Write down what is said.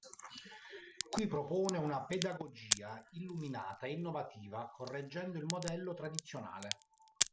Qui propone una pedagogia illuminata e innovativa, correggendo il modello tradizionale.